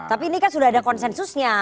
tapi ini kan sudah ada konsensusnya